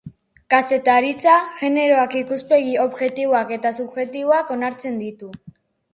Kazetaritza generoak ikuspegi objektiboak eta subjektiboak onartzen ditu.